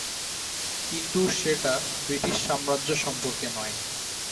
কিন্তু সেটা ব্রিটিশসাম্রাজ্য সম্পর্কে নয়।